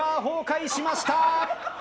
崩壊しました。